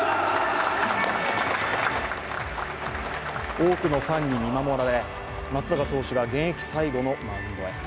多くのファンに見守られ松坂投手が現役最後のマウンドへ。